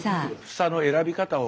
房の選び方を。